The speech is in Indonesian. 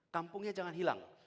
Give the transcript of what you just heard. kampungnya jangan hilang